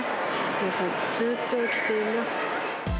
皆さん、スーツを着ています。